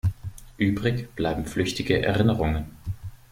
Übrig bleiben flüchtige Erinnerungen.